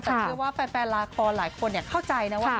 แต่เชื่อว่าแฟนละครหลายคนเข้าใจนะว่า